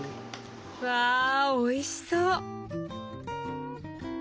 わおいしそう。